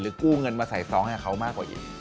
กู้เงินมาใส่ซองให้เขามากกว่าอีก